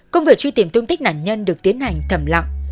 công việc truy tìm thông tin nạn nhân được tiến hành thầm lặng